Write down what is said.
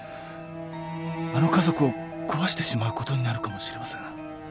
あの家族を壊してしまうことになるかもしれません。